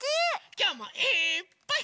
きょうもいっぱい。